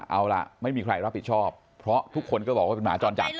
เอาล่ะไม่มีใครรับผิดชอบเพราะทุกคนก็บอกว่าเป็นหมาจรจัด